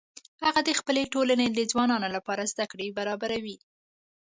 هغه د خپلې ټولنې د ځوانانو لپاره زده کړې برابروي